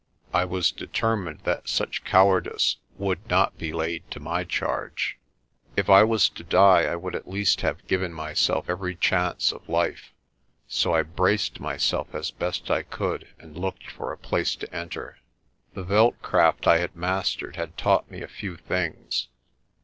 I was determined that such cowardice would not be laid to my charge. If I was to die, I would at least have given my self every chance of life. So I braced myself as best I could and looked for a place to enter. The veld craft I had mastered had taught me a few things.